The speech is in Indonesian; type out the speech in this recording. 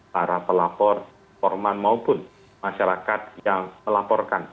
para pelapor korban maupun masyarakat yang melaporkan